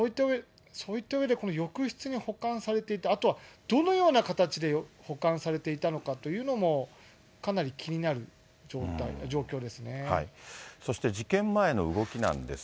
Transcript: そういったうえでこの浴室に保管されていた、あとはどのような形で保管されていたのかというのも、かなり気にそして事件前の動きなんです